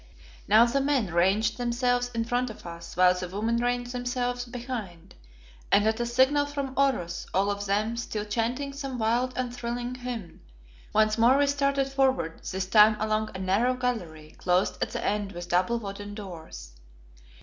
Now the men ranged themselves in front of us, while the women ranged themselves behind, and at a signal from Oros, all of them still chanting some wild and thrilling hymn, once more we started forward, this time along a narrow gallery closed at the end with double wooden doors.